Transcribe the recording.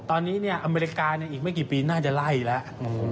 ตอนนี้เนี่ยอเมริกาเนี่ยอีกไม่กี่ปีน่าจะไล่แล้ว